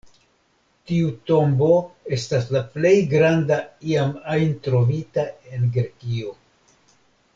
Tiu tombo estas la plej granda iam ajn trovita en Grekio.